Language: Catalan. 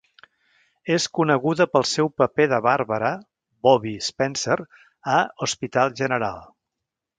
És coneguda pel seu paper de Barbara "Bobbie" Spencer a "Hospital General".